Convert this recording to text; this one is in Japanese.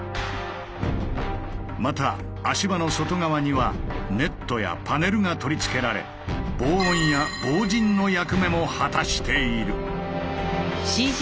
また足場の外側にはネットやパネルが取り付けられ防音や防じんの役目も果たしている。